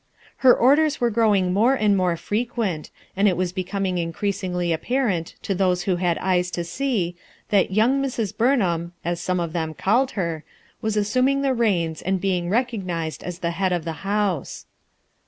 Her orders were growing more and more fre quent, and it was becoming increasingly ap parent to those who had eyes to see that "young 1S4 RUTH ERSKINE'S SOX Mrs. Burnhain," as some of them called her *i assuming the reins and being recognized as the head of the house.